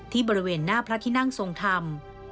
บริเวณหน้าพระที่นั่งทรงธรรม